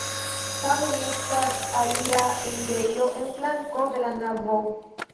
Tamen estas alia enirejo en flanko de la navo.